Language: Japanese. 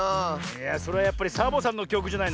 いやそれはやっぱりサボさんのきょくじゃないの？